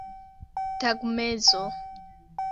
tagmezo